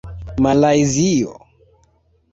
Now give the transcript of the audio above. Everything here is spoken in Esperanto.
malajzio